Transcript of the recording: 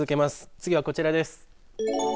次はこちらです。